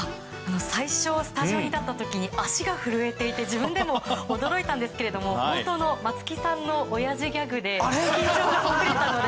最初スタジオに立った時足が震えていて自分でも驚いたんですが松木さんのおやじギャグで緊張がほぐれたので。